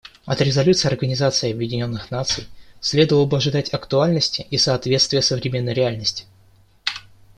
От резолюций Организации Объединенных Наций следовало бы ожидать актуальности и соответствия современной реальности.